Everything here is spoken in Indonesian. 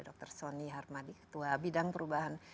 dokter sony harmadi ketua bidang perubahan